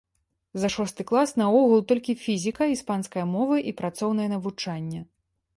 За шосты клас наогул толькі фізіка, іспанская мова і працоўнае навучанне.